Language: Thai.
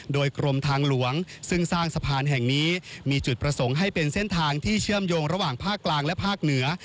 โดยกรมทางหลวงซึ่งสร้างสะพานแห่งนี้มีจุดประสงค์ให้เป็นเส้นทางที่เชื่อมโยงระหว่างภาคกลางและภาคเหนือ